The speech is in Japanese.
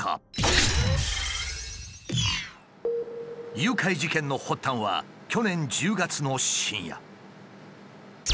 誘拐事件の発端は去年１０月の深夜。